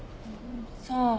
さあ。